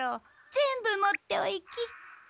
全部持っておいき。